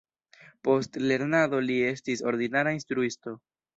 Post lernado li estis ordinara instruisto.